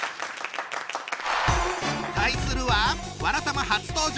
対するは「わらたま」初登場！